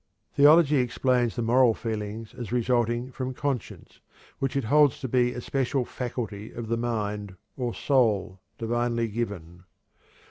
Theology explains the moral feelings as resulting from conscience, which it holds to be a special faculty of the mind, or soul, divinely given.